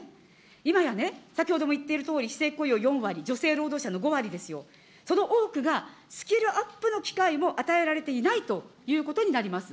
今やね、先ほども言っているとおり非正規雇用４割、女性労働者の５割ですよ、その多くが、スキルアップの機会も与えられていないということになります。